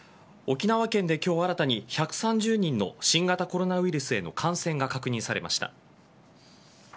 沖縄県で今日新たに１３０人の新型コロナウイルスへの感染が確認されました。